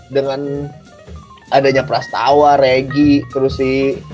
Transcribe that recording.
dengan adanya prastawa regi terus sih